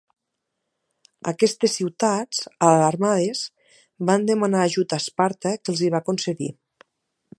Aquestes ciutats, alarmades, van demanar ajut a Esparta que els hi va concedir.